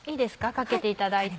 かけていただいて。